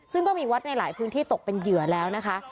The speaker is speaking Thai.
ซึ่งก็มีวัดในหลายพื้นที่ตกเป็นเหยื่อแล้วนะคะ